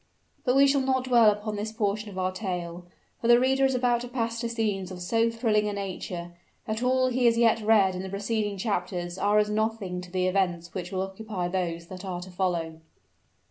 But we shall not dwell upon this portion of our tale; for the reader is about to pass to scenes of so thrilling a nature, that all he has yet read in the preceding chapters are as nothing to the events which will occupy those that are to follow.